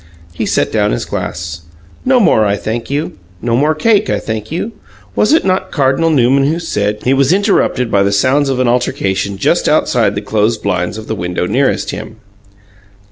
He set down his glass. "No more, I thank you. No more cake, I thank you. Was it not Cardinal Newman who said " He was interrupted by the sounds of an altercation just outside the closed blinds of the window nearest him.